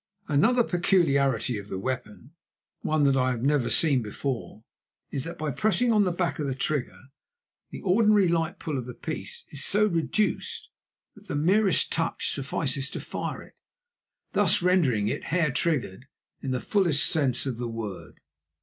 Another peculiarity of the weapon, one that I have never seen before, is that by pressing on the back of the trigger the ordinary light pull of the piece is so reduced that the merest touch suffices to fire it, thus rendering it hair triggered in the fullest sense of the word.